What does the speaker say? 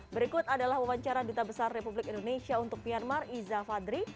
berikut adalah wawancara duta besar republik indonesia untuk myanmar iza fadri